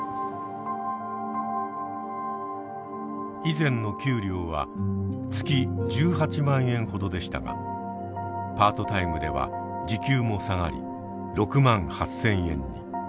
以前の給料は月１８万円ほどでしたがパートタイムでは時給も下がり６万８，０００円に。